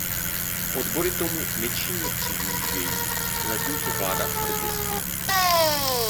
Odbory tomu nečinně přihlížejí, zatímco vláda tvrdě spí.